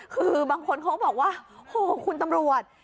คือบางคนเขาบอกว่าโหคุณตำรวจ